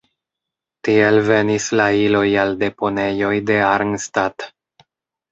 Tiel venis la iloj al deponejoj de Arnstadt.